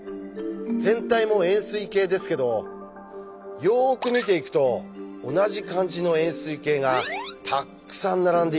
全体も円すい形ですけどよく見ていくと同じ感じの円すい形がたっくさん並んでいますよね。